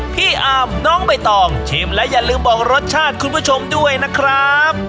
พี่อาร์มน้องใบตองชิมและอย่าลืมบอกรสชาติคุณผู้ชมด้วยนะครับ